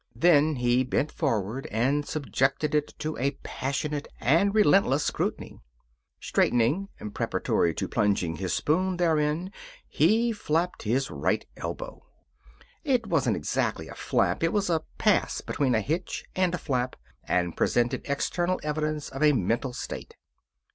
Then he bent forward and subjected it to a passionate and relentless scrutiny. Straightening preparatory to plunging his spoon therein he flapped his right elbow. It wasn't exactly a flap; it was a pass between a hitch and a flap, and presented external evidence of a mental state.